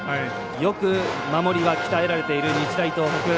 よく守りが鍛えられている日大東北。